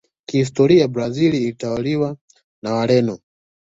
kihistori brazil iliwahi kutawaliwa na Wareno